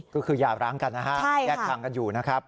ก็คืออย่าร้างกันนะฮะแยกทางกันอยู่นะครับ